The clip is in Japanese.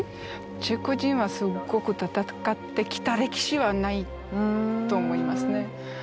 チェコ人はすっごく戦ってきた歴史はないと思いますね。